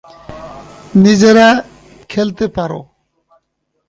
নিজেরা খেতে পারো?